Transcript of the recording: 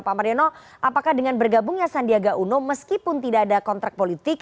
pak mariono apakah dengan bergabungnya sandiaga uno meskipun tidak ada kontrak politik